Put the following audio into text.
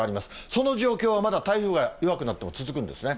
その状況はまだ、台風が弱くなっても続くんですね。